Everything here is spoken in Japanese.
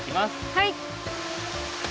はい。